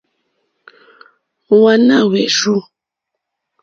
Hwáná hwèrzù.